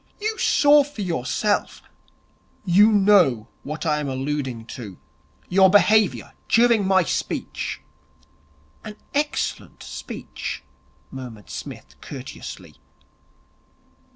You saw for yourself ' 'You know what I am alluding to. Your behaviour during my speech.' 'An excellent speech,' murmured Psmith courteously.